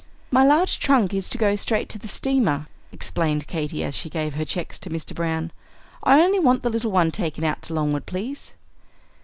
"My large trunk is to go straight to the steamer," explained Katy, as she gave her checks to Mr. Browne. "I only want the little one taken out to Longwood, please."